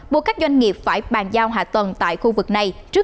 buộc các doanh nghiệp phải bàn giao